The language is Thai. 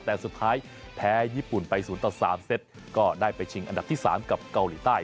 แต่สุดท้ายแพ้ญี่ปุ่นไป๐ต่อ๓เซตก็ได้ไปชิงอันดับที่๓กับเกาหลีใต้